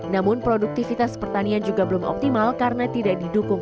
namun produktivitas pertanian juga belum optimal karena tidak didukung